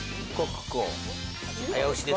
早押しです。